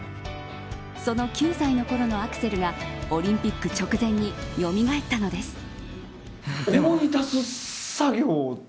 その９歳のころのアクセルがオリンピック直前によみがえったのです。